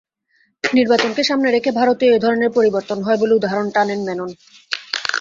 নির্বাচনকে সামনে রেখে ভারতেও এই ধরনের পরিবর্তন হয় বলে উদাহরণ টানেন মেনন।